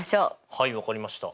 はい分かりました。